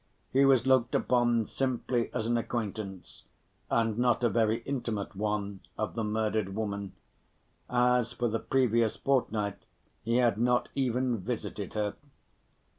He was looked upon simply as an acquaintance, and not a very intimate one, of the murdered woman, as for the previous fortnight he had not even visited her.